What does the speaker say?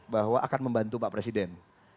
bahwa akan membantu pak presiden